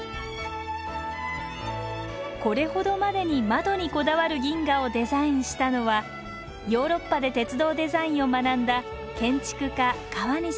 これほどまでに窓にこだわる銀河をデザインしたのはヨーロッパで鉄道デザインを学んだ建築家川西